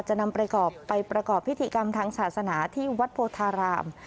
จะนำประกอบไปประกอบพิธีกรรมทางศาสนาที่วัดโพธาราม